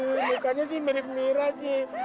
mukanya sih mirip mirip sih